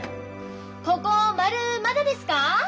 ここマルまだですか？